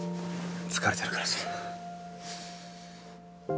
疲れてるからさ。